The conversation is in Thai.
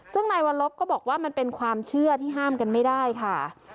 ซึ่งนายวัลลบก็บอกว่ามันเป็นความเชื่อที่ห้ามกันไม่ได้ค่ะ